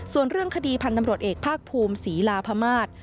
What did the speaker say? ส่วนเรื่องคดีพันธ์ตำรวจเอกภาคภูมิศรีลาพมาศ